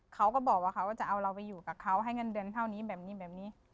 เขาก็บอกว่าเขาว่าจะเอาเราไปอยู่กับเขาให้เงินเดือนเท่านี้แบบนี้แบบนี้